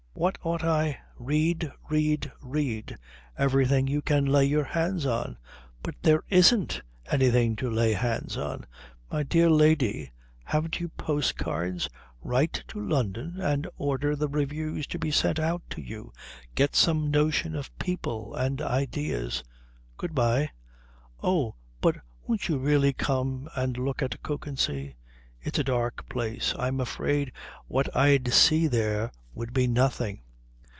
What ought I ?" "Read, read, read everything you can lay your hands on." "But there isn't anything to lay hands on." "My dear lady, haven't you postcards? Write to London and order the reviews to be sent out to you. Get some notion of people and ideas. Good bye." "Oh but won't you really come and look at Kökensee?" "It's a dark place. I'm afraid what I'd see there would be nothing."